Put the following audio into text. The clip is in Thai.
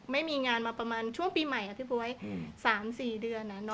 ไม่มีงานมาประมาณช่วงปีใหม่อะพี่บ๊วยสามสี่เดือนนะ